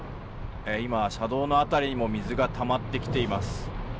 今、車道の辺りにも水がたまってきています。